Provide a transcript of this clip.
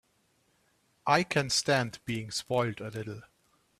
I can stand being spoiled a little.